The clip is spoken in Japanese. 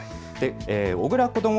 小倉こども